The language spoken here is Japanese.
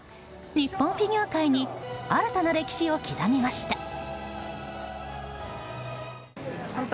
日本フィギュア界に新たな歴史を刻みました。